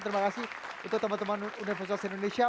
terima kasih untuk teman teman universitas indonesia